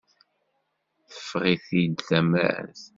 Teffeɣ-it-id tamart.